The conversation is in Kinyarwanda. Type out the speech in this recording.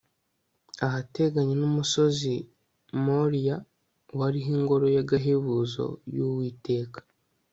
ahateganye n'umusozi moriya wariho ingoro y'agahebuzo y'uwiteka